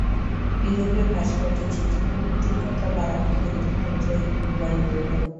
ইউরোপী ভাস্কর্য চিত্র প্রভৃতির কথা বারান্তরে উদাহরণ সহিত বলবার রইল।